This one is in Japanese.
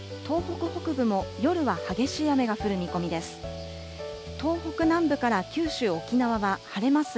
東北北部も夜は激しい雨が降る見込みです。